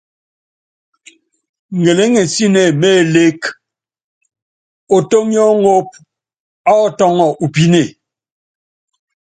Ŋeléŋensíne mé elék, Otóŋip oŋók ɔ́ tɔ́ŋɔ u píne.